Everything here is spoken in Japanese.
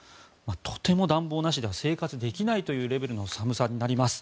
とても暖房なしでは生活できないというレベルの寒さになります。